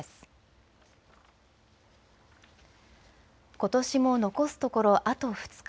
ことしも残すところあと２日。